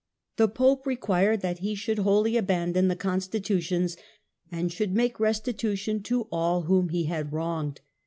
The pope required that he should wholly abandon the Constitutions, and should make restitution to all whom he had wronged.